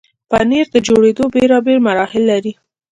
پنېر د جوړېدو بیلابیل مراحل لري.